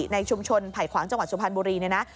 ในชุมชนไผ่ขวางจังหวัดสุพรรณบุรีเนี่ยนะ